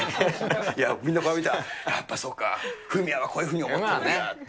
いや、みんな、やっぱそうか、フミヤはこういうふうに思ってるんだって。